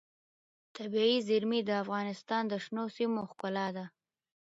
طبیعي زیرمې د افغانستان د شنو سیمو ښکلا ده.